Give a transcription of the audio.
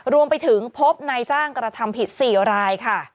รวมไปถึงพบนายจ้างกระทำผิด๔รายค่ะ